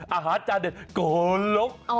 อาจารย์เด็ดโกลก